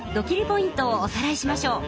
ポイントをおさらいしましょう。